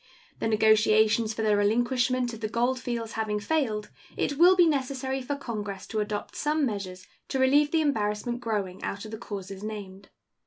The negotiations for the relinquishment of the gold fields having failed, it will be necessary for Congress to adopt some measures to relieve the embarrassment growing out of the causes named.